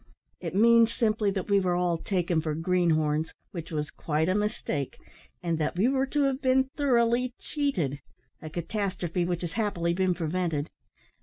"It means simply that we were all taken for green horns, which was quite a mistake, and that we were to have been thoroughly cheated a catastrophe which has happily been prevented.